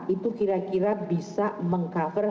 itu kira kira bisa meng cover